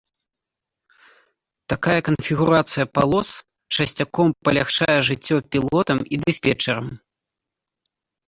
Такая канфігурацыя палос часцяком палягчае жыццё пілотам і дыспетчарам.